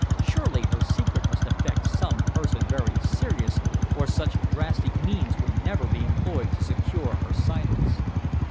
Surely her secret must affect some person very seriously, or such drastic means would never be employed to secure her silence.